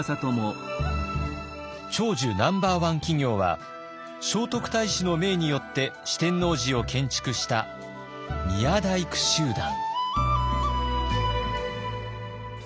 長寿ナンバーワン企業は聖徳太子の命によって四天王寺を建築した宮大工集団。